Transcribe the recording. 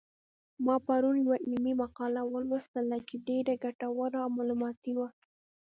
ما پرون یوه علمي مقاله ولوستله چې ډېره ګټوره او معلوماتي وه